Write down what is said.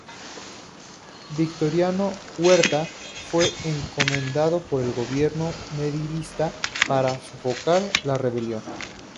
Victoriano Huerta fue encomendado por el gobierno maderista para sofocar la rebelión.